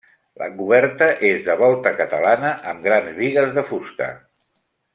La coberta és de volta catalana amb grans bigues de fusta.